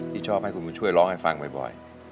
ที่ชอบให้คุณบุญช่วยร้องให้ฟังบ่อย